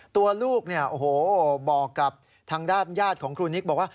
ตัวลูกบอกกับทางด้านญาติของครูนิกบอกว่า